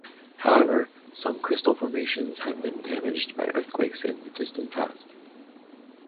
However, some crystal formations have been damaged by earthquakes in the distant past.